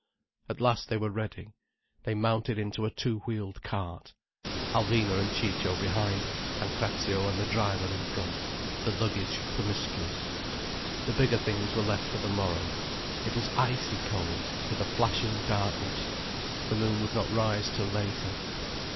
At last they were ready. They mounted into a two wheeled cart, Alvina and Ciccio behind, Pancrazio and the driver in front, the luggage promiscuous. The bigger things were left for the morrow. It was icy cold, with a flashing darkness. The moon would not rise till later.